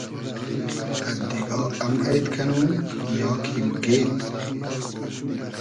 قئد دیگا ام اݷد کئنوم یا کی موگیید؟